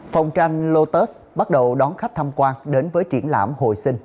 phòng tranh lotus bắt đầu đón khách tham quan đến với triển lãm hồi sinh